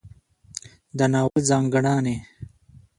د ناول ځانګړنې